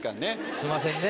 すいませんね。